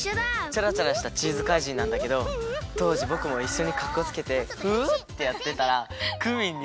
チャラチャラしたチーズ怪人なんだけどとうじぼくもいっしょにかっこつけて「フウ！」ってやってたらクミンにすっごくおこられた！